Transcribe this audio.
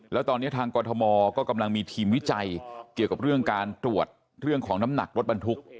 แล้วตอนนี้ทางกรทมก็กำลังมีทีมวิจัยเกี่ยวกับเรื่องการตรวจเรื่องของน้ำหนักรถบรรทุก